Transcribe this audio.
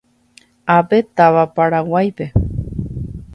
Ápe táva Paraguaýpe.